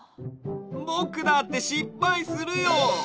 ぼくだってしっぱいするよ。